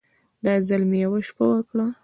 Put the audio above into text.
دا ځل مې يوه شپه وکړه.